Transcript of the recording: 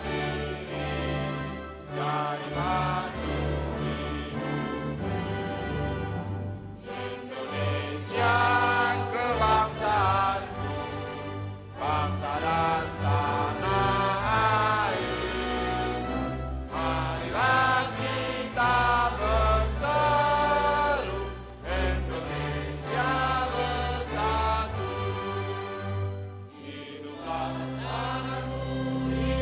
insanalah aku berdiri